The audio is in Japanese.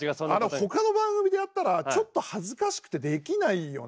ほかの番組でやったらちょっと恥ずかしくてできないよね。